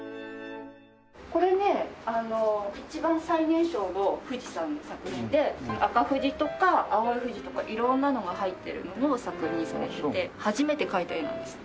これね一番最年少の富士山の作品で赤富士とか青い富士とか色んなのが入ってるものを作品にされてて初めて描いた絵なんですって。